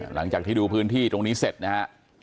หลังจากที่ดูพื้นที่ตรงนี้เสร็จนะฮะ